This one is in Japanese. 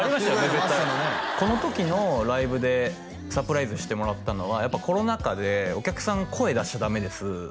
絶対この時のライブでサプライズしてもらったのはやっぱコロナ禍でお客さん声出しちゃダメです